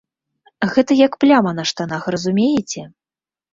Гэта як пляма на штанах, разумееце?